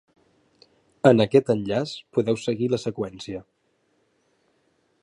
En aquest enllaç podeu seguir la seqüència.